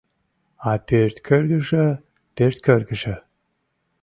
А пӧрткӧргыжӧ, пӧрткӧргыжӧ!..